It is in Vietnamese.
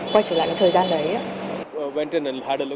quay trở lại cái thời gian đấy